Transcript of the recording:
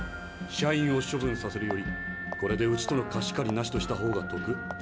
社員を処分させるよりこれでうちとの貸し借りなしとした方が得。